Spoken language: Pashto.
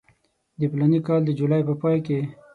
د فلاني کال د جولای په پای کې.